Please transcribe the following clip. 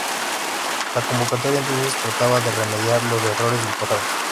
La convocatoria, entonces, trataba de remediar los errores del pasado.